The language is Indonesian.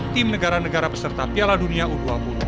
tim negara negara peserta piala dunia u dua puluh